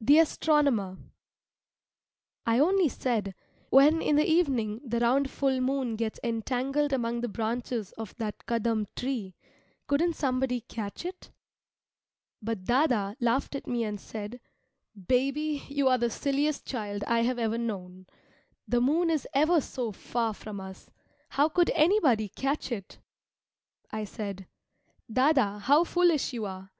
THE ASTRONOMER I only said, "When in the evening the round full moon gets entangled among the branches of that Kadam tree, couldn't somebody catch it?" But dâdâ [elder brother] laughed at me and said, "Baby, you are the silliest child I have ever known. The moon is ever so far from us, how could anybody catch it?" I said, "Dâdâ how foolish you are!